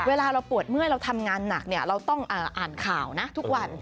เวลาเราปวดเมื่อยเราทำงานหนักเราต้องอ่านข่าวนะทุกวัน